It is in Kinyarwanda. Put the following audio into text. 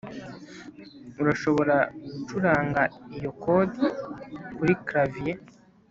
Urashobora gucuranga iyo chord kuri clavier